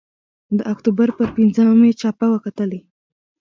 د اکتوبر پر پینځمه مې چاپه وکتلې.